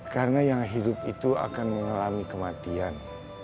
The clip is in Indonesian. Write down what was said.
karena yang hidup itu akan mengalami kematian